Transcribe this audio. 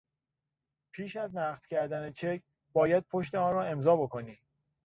پیش از نقد کردن چک باید پشت آن را امضا بکنی.